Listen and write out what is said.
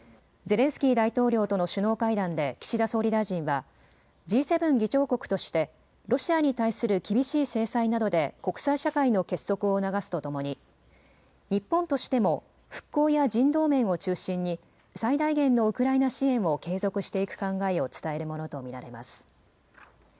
ゼレンスキー大統領との首脳会談で岸田総理大臣はＧ７議長国としてロシアに対する厳しい制裁などで国際社会の結束を促すとともに日本としても復興や人道面を中心に最大限のウクライナ支援を継続していく考えを伝えるものと見られます。